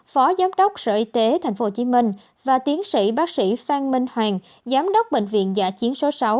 phó giám đốc sở y tế tp hcm và tiến sĩ bác sĩ phan minh hoàng giám đốc bệnh viện giả chiến số sáu